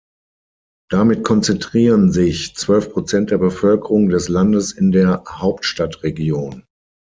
Damit konzentrieren sich zwölf Prozent der Bevölkerung des Landes in der Hauptstadtregion.